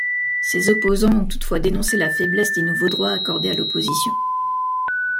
Ses opposants ont toutefois dénoncé la faiblesse des nouveaux droits accordés à l'opposition.